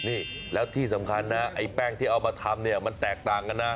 นี่แล้วที่สำคัญนะไอ้แป้งที่เอามาทำเนี่ยมันแตกต่างกันนะ